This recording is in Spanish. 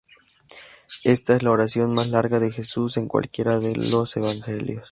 Esta es la oración más larga de Jesús en cualquiera de los evangelios.